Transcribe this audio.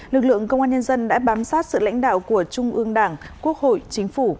lực lượng công an nhân dân đã bám sát sự lãnh đạo của trung ương đảng quốc hội chính phủ